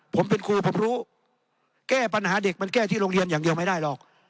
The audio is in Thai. ผมเป็นครูผมรู้แก้ปัญหาเด็กมันแก้ที่โรงเรียนอย่างเดียวไม่ได้หรอก